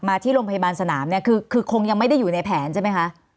ที่โรงพยาบาลสนามเนี่ยคือคงยังไม่ได้อยู่ในแผนใช่ไหมคะ